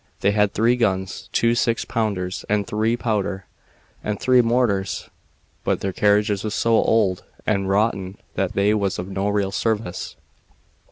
They had three guns two six pounders, and a three pounder and three mortars, but their carriages was so old and rotten that they was of no real service.